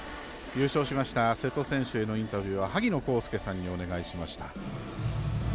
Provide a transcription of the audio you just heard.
優勝しました瀬戸選手へのインタビューは萩野公介さんにお願いしました。